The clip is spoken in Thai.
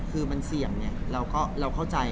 คือมันเสี่ยงเนี่ยเราก็เราเข้าใจอ่ะ